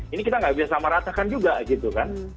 ini kita nggak bisa meratakan juga gitu kan